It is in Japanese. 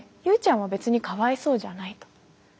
「友ちゃんは別にかわいそうじゃない」と。